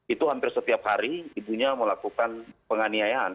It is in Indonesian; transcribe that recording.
itu hampir setiap hari ibunya melakukan penganiayaan